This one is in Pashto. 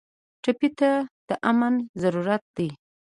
ټپي ته د امن ضرورت دی.